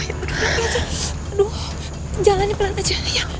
aduh jalan pelan aja